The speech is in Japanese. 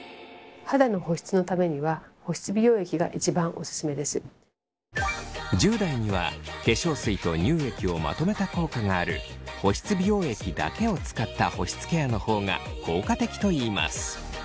肌の保湿のためには１０代には化粧水と乳液をまとめた効果がある保湿美容液だけを使った保湿ケアの方が効果的といいます。